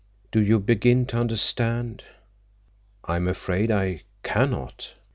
Do you begin to understand?" "I am afraid—I can not."